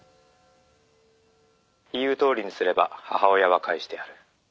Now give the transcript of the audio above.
「言うとおりにすれば母親は返してやる」